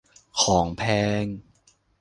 ของแพง